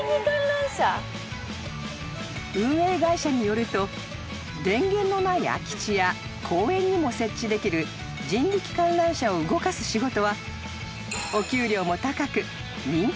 ［運営会社によると電源のない空き地や公園にも設置できる人力観覧車を動かす仕事は］